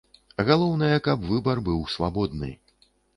Галоўнае, каб выбар быў свабодны.